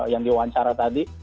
yang diwawancara tadi